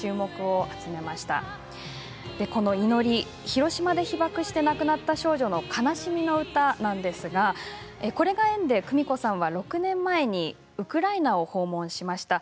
広島で被爆して亡くなった少女の悲しみの歌なんですがこれが縁でクミコさんは６年前ウクライナを訪問しました。